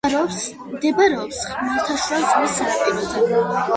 მდებარეობს ხმელთაშუა ზღვის სანაპიროზე.